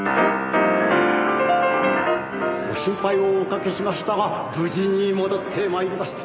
「ご心配をおかけしましたが無事に戻って参りました」